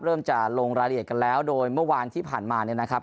จะลงรายละเอียดกันแล้วโดยเมื่อวานที่ผ่านมาเนี่ยนะครับ